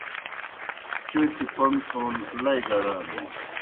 چوْکیْ پوْن تھون لئی گرانِن۔